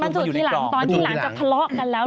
มันจุกที่หลังตอนที่หลังจะพละกันแล้ว